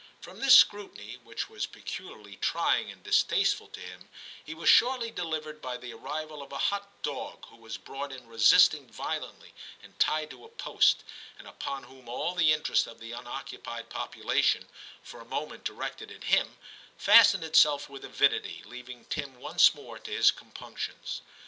From this scrutiny, which was peculiarly trying and distasteful to him, he was shortly delivered by the arrival of a hot dog, who was brought in resisting violently and tied to a post, and upon whom all the interest of the unoccupied population, for a moment directed at him, fastened itself with avidity, leaving Tim once more to his compunctions.